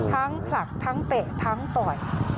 ผลักทั้งเตะทั้งต่อย